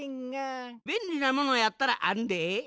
べんりなものやったらあんで。